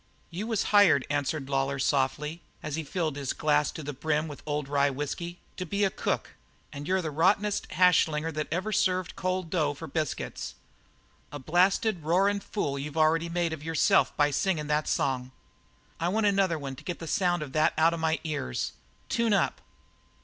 "You was hired," answered Lawlor softly, as he filled his glass to the brim with the old rye whisky, "to be a cook, and you're the rottenest hash slinger that ever served cold dough for biscuits; a blasted, roarin' fool you've already made out of yourself by singin' that song. I want another one to get the sound of that out of my ears. Tune up!"